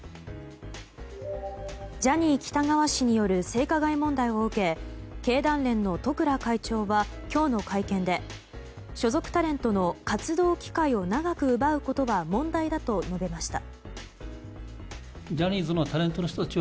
ジャニー喜多川氏による性加害問題を受け経団連の十倉会長は今日の会見で所属タレントの活動機会を長く奪うことは問題だと述べました。